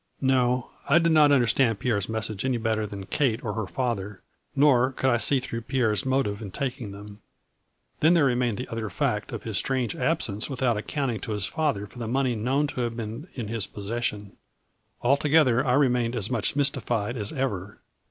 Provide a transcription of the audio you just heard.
No, I did not understand Pierre's message any better than Kate or her father, nor could I see through Pierre's motive in taking them. Then there remained the other fact of his strange absence without accounting to his father for the money known to have been in his possession. Altogether I remained as much mystified as ever.